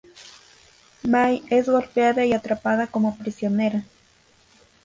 Mai es golpeada y atrapada como prisionera.